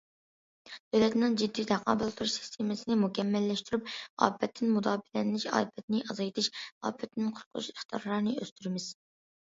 دۆلەتنىڭ جىددىي تاقابىل تۇرۇش سىستېمىسىنى مۇكەممەللەشتۈرۈپ، ئاپەتتىن مۇداپىئەلىنىش، ئاپەتنى ئازايتىش، ئاپەتتىن قۇتقۇزۇش ئىقتىدارىنى ئۆستۈرىمىز.